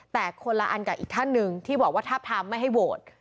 แต่คนละอันกับอีกท่านหนึ่งที่บอกว่าทาบทามไม่ให้โหวต